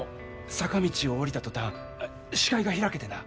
坂道を下りたとたん視界が開けてな。